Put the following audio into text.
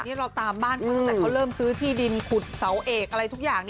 นี่เราตามบ้านมาตั้งแต่เขาเริ่มซื้อที่ดินขุดเสาเอกอะไรทุกอย่าง